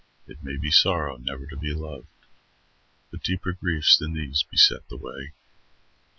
It may be sorrow never to be loved, But deeper griefs than these beset the way.